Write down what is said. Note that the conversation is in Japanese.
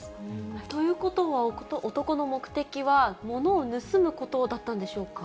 ということは、男の目的は物を盗むことだったんでしょうか。